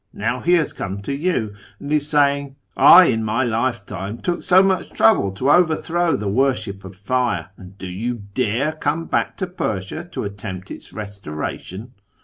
Now he has come to you, and is saying, " I, in my lifetime, took so much trouble to overthrow the worship of Fire, and do you dare come back to Persia to attempt its restoration